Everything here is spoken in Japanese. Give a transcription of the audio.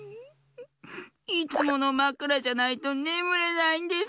いつものまくらじゃないとねむれないんです。